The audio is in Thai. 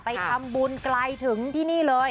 ไปทำบุญใกล้ถึงที่นี้